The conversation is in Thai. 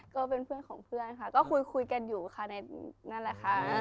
ก็เป็นเพื่อนของเพื่อนค่ะก็คุยกันอยู่ค่ะนั่นแหละค่ะ